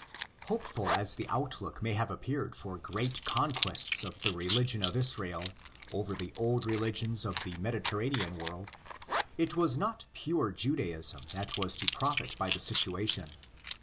Hopeful as the outlook may have appeared for great conquests of the religion of Israel over the old religions of the Mediterranean world, it was not pure Judaism that was to profit by the situation.